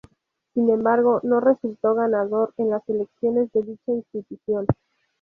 Sin embargo, no resultó ganador en las elecciones de dicha institución.